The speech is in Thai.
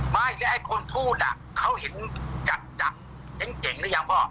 ไม่แล้วไอ้คนทูตเขาเห็นจัดเก่งหรือยังพ่อ